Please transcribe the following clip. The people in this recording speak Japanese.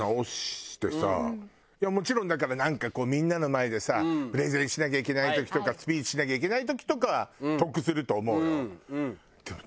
もちろんだからなんかこうみんなの前でさプレゼンしなきゃいけない時とかスピーチしなきゃいけない時とかは得すると思うよ。